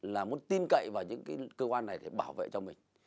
là muốn tin cậy vào những cái cơ quan này để bảo vệ cho mình